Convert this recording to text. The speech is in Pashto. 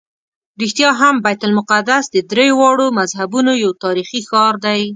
رښتیا هم بیت المقدس د درېواړو مذهبونو یو تاریخي ښار دی.